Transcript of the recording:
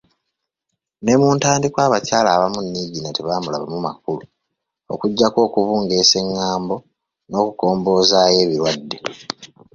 Ne mu ntandikwa abakyala abamu Niigiina tebaamulabamu makulu, okuggyako okubungeesa eng’ambo n’okukomboozaayo ebirwadde.